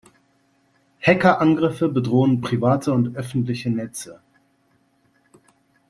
Hackerangriffe bedrohen private und öffentliche Netze.